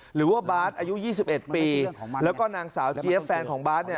หรือว่าบาสอายุ๒๑ปีแล้วก็นางสาวเจี๊ยฟแฟนของบาส